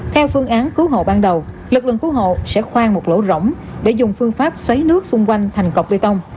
theo phương án cứu hộ ban đầu lực lượng cứu hộ sẽ khoan một lỗ rỗng để dùng phương pháp xoáy nước xung quanh thành cọc bê tông